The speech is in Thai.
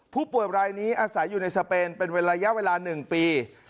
ผู้ป่วยรายนี้อาศัยอยู่ในสเปนเป็นระยะเวลา๑ปี